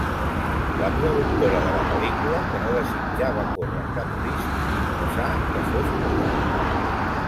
La productora de la pel·lícula, que no desitjava córrer cap risc, imposà que fos muda.